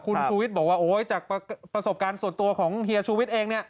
คุณชูวิทย์บอกว่าโอ๊ยจากประสบการณ์ส่วนตัวของเฮียชูวิทย์เองเนี่ย